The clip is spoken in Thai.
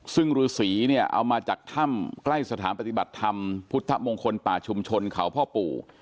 ซึ่งฤษีเนี่ยเอามาจากถ้ำใกล้สถานปฏิบัติธรรมพุทธมงคลป่าชุมชนเขาพ่อปู่